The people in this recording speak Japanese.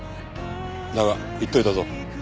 だが言っておいたぞ。